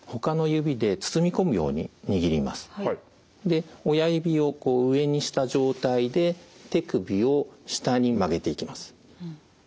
で親指をこう上にした状態で手首を下に曲げていきます。